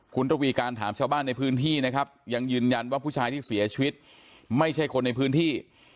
คุณระวีการถามชาวบ้านในพื้นที่นะครับยังยืนยันว่าผู้ชายที่เสียชีวิตไม่ใช่คนในพื้นที่